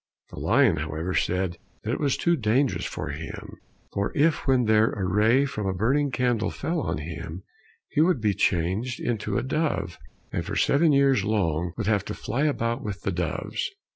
The lion, however, said that it was too dangerous for him, for if when there a ray from a burning candle fell on him, he would be changed into a dove, and for seven years long would have to fly about with the doves.